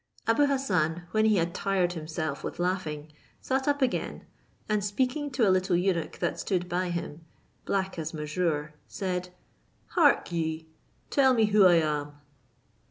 Abou Hassan, when he had tired himself with laughing, sat up again, and speaking to a little eunuch that stood by him, black as Mesrour, said, "Hark ye, tell me whom I am?"